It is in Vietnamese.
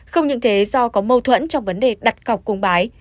không những thế do có mâu thuẫn trong vấn đề đặt cọc cùng bái